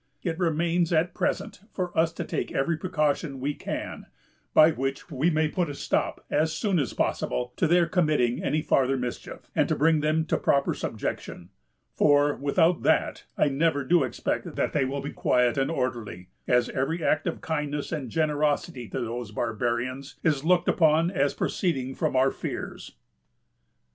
It remains at present for us to take every precaution we can, by which we may put a stop, as soon as possible, to their committing any farther mischief, and to bring them to a proper subjection; for, without that, I never do expect that they will be quiet and orderly, as every act of kindness and generosity to those barbarians is looked upon as proceeding from our fears."